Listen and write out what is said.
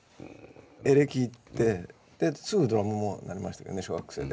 エレキいってすぐドラムもうなりましたけどね小学生で。